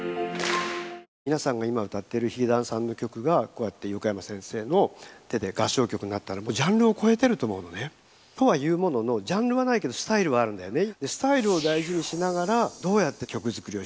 皆さんが今歌ってるヒゲダンさんの曲がこうやって横山先生の手で合唱曲になったらもうジャンルを超えてると思うのね。とはいうもののなのでこれはよくこれからまた練習するといいね。